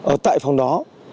ở tại phòng đó